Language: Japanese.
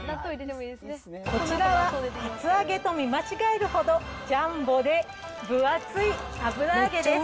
こちらは厚揚げと見間違えるほどジャンボで分厚い油揚げです。